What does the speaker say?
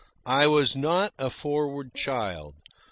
I was not a forward child.